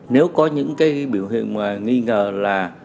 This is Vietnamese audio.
nếu có những cái biểu hiện mà nghi ngờ là